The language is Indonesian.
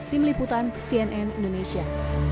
tim liputan cnn indonesia